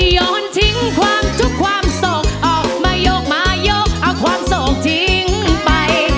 โยนทิ้งความทุกข์ความโศกออกมายกมายกเอาความโศกทิ้งไป